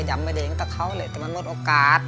ยำไปเดินกับเขาเลยแต่มันหมดโอกาส